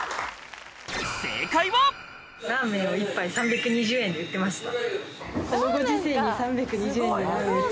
ラーメンを１杯３２０円で売ってました。